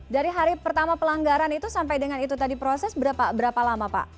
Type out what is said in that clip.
dari hari pertama pelanggaran itu sampai dengan itu tadi proses berapa lama pak